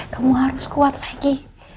kamu harus kuat lagi